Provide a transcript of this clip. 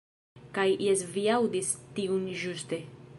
Kaj jes vi aŭdis tiun ĵuste.